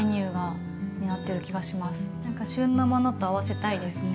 何か旬のものと合わせたいですね。